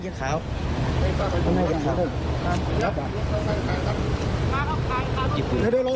เดี๋ยวลองลองกรอกก่อน